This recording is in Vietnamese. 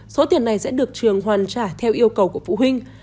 số tiền này sẽ được trường hoàn trả theo yêu cầu của phụ huynh